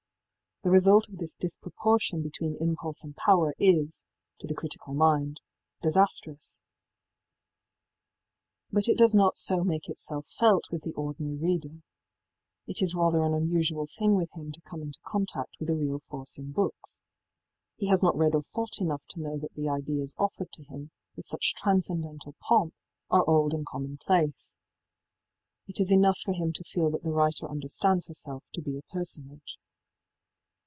The result of this disproportion between impulse and power is, to the critical mind, disastrous; but it does not so make itself felt with the ordinary reader. It is rather an unusual thing with him to come into contact with a real force in books. He has not read or thought enough to know that the ideas offered to him with such transcendental pomp are old and commonplace. It is enough for him to feel that the writer understands herself to be a personage.